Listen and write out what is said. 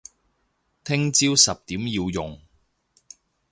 聽朝十點要用